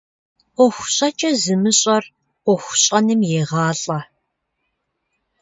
Iуэху щIэкIэ зымыщIэр Iуэху щIэным егъалIэ.